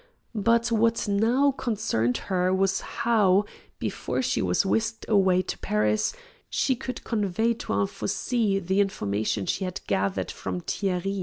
But what now concerned her was how, before she was whisked away to Paris, she could convey to Anfossi the information she had gathered from Thierry.